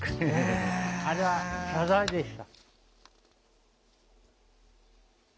あれは謝罪でした。